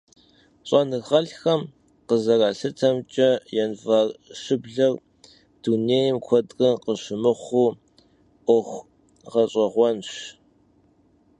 Ş'enığelh'xem khızeralhıtemç'e, yanvar şıbler dunêym kuedre khışımıxhu 'Uexu ğeş'eğuenş.